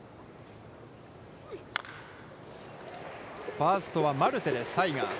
ファーストはマルテです、タイガース。